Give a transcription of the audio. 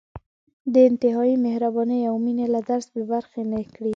د انتهايي مهربانۍ او مېنې له درس بې برخې نه کړي.